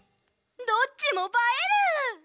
どっちもばえる！